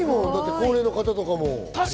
高齢の方とかも。